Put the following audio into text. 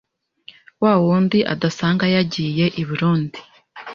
wa wundi adasanga yagiye I burundi